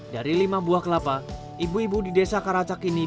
dari lima buah kelapa ibu ibu di desa karacak ini